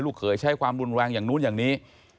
เคยใช้ความรุนแรงอย่างนู้นอย่างนี้